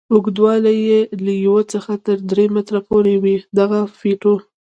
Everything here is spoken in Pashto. اوږدوالی یې له یوه څخه تر درې متره پورې وي دغه فیتو.